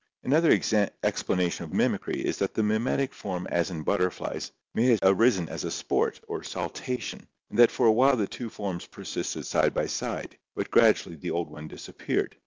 Another explanation of mimicry is that the mimetic form as in butterflies may have arisen as a sport or saltation, and that for a while the two forms persisted side by side, but gradually the old one disappeared.